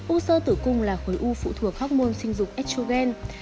u sơ tử cung là khối u phụ thuộc hóc môn sinh dục etrugen